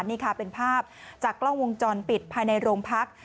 นี่ค่ะเป็นภาพจากกล้องวงจรปิดภายในโรงพัก